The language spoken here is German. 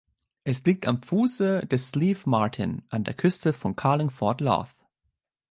Es liegt am Fuße des Slieve Martin an der Küste von Carlingford Lough.